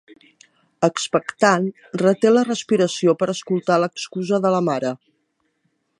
Expectant, reté la respiració per escoltar l'excusa de la mare.